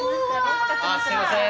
すいません。